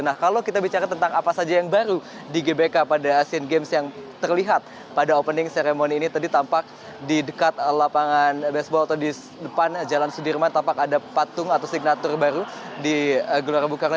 nah kalau kita bicara tentang apa saja yang baru di gbk pada asian games yang terlihat pada opening ceremony ini tadi tampak di dekat lapangan baseball atau di depan jalan sudirman tampak ada patung atau signatur baru di gelora bung karno